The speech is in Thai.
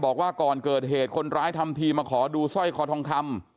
บอกว่าก่อนเกิดเหตุคนร้ายทำทีมาขอดูสร้อยคอทองคำ